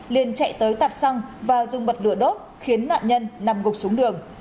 liền chạy tới tạp xăng và dùng bật lửa đốt khiến nạn nhân nằm gục xuống đường